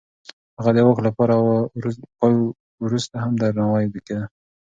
هغه د واک له پای وروسته هم درناوی کېده.